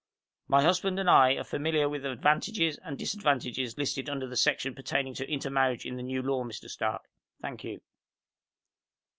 "My husband and I are familiar with the advantages and disadvantages listed under the section pertaining to intermarriage in the new law, Mr. Stark. Thank you."